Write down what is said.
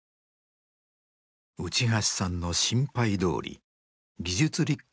内橋さんの心配どおり技術立国